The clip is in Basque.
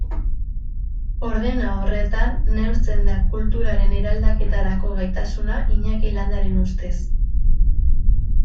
Ordena horretan neurtzen da kulturaren eraldaketarako gaitasuna Iñaki Landaren ustez.